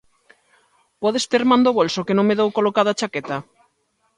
Podes ter man do bolso que non me dou colocado a chaqueta?